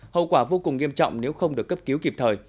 hậu quả vô cùng nghiêm trọng nếu không được cấp cứu kịp thời